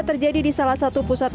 terjadi di salah satu pusat